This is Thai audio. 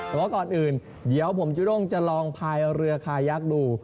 แต่ว่าก่อนอื่นเดี๋ยวผมจุด้งจะลองพายเรือคายักษ์ดู